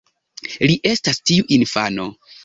Li estas tiu infano.